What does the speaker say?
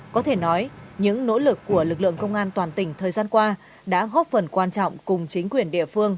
có thể nói những nỗ lực của lực lượng công an toàn tỉnh thời gian qua đã góp phần quan trọng cùng chính quyền địa phương